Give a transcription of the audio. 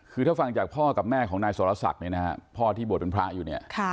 คือถ้าฟังจากพ่อกับแม่ของนายสวรรค์ศักดิ์พ่อที่บวชเป็นพระอยู่